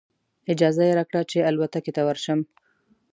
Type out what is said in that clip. اجازه یې راکړه چې الوتکې ته ورشم.